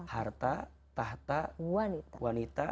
harta tahta wanita